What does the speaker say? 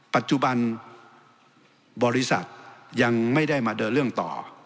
ปัจจุบันบริษัทยังไม่ได้มาเดินเรื่องต่อ